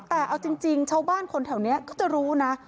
แต่เอาจริงชาวบ้านคนแถวนี้ก็จะรู้นะ